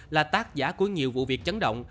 là tác giả của nhiều vụ việc chấn động